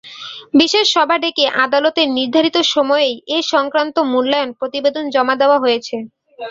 বিশেষ সভা ডেকে আদালতের নির্ধারিত সময়েই এ-সংক্রান্ত মূল্যায়ন প্রতিবেদন জমা দেওয়া হয়েছে।